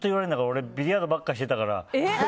俺、ビリヤードばっかりしてたから。